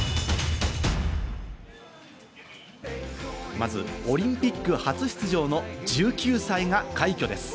まず、オリンピック初出場の１９歳が快挙です。